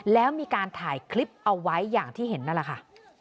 แล้วมีการถ่ายคลิปเอาไว้อย่างที่เห็นนั่นแหละค่ะ